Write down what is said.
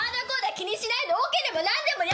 気にしないでオケでも何でも！